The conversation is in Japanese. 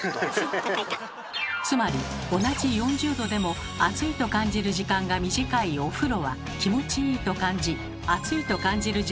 つまり同じ４０℃でも熱いと感じる時間が短いお風呂は気持ちいいと感じ暑いと感じる時間が長い